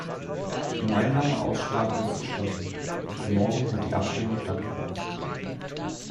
Die gemeinsame Aussprache ist geschlossen, und morgen wird die Abstimmung stattfinden.